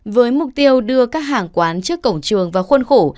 với mục tiêu đưa các hàng quán trước cổng trường vào khuôn khổ